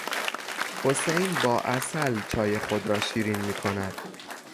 حسین با عسل چای خود را شیرین میکند.